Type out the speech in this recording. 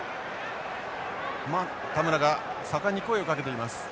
田村が盛んに声をかけています。